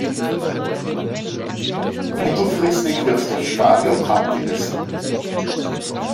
Mittelfristig wird das Stadion abgerissen.